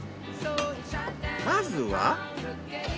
まずは。